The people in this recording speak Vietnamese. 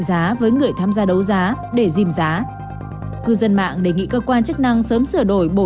giá với người tham gia đấu giá để dìm giá cư dân mạng đề nghị cơ quan chức năng sớm sửa đổi bộ